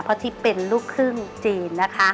เพราะที่เป็นลูกครึ่งจีนนะคะ